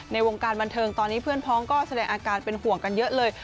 ในวงการบันเทิงตอนนี้เพื่อนพ้องก็แสดงอาการเป็นห่วงกันเยอะเลย